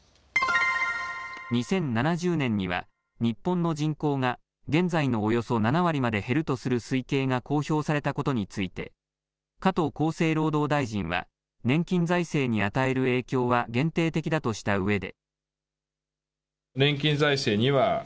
２０７０年には日本の人口が現在のおよそ７割まで減るとする推計が公表されたことについて加藤厚生労働大臣は年金財政に与える影響は限定的だとしたうえで。